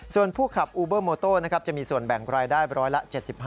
ส่วนผู้ขับอูเบอร์โมโต้นะครับจะมีส่วนแบ่งรายได้ร้อยละ๗๕